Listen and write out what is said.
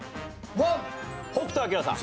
北斗晶さん。